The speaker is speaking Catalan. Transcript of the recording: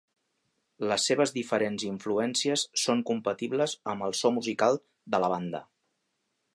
Les seves diferents influències són compatibles amb el so musical de la banda.